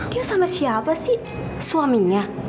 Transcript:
dia sama siapa sih suaminya